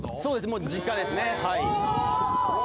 もう実家ですねはい。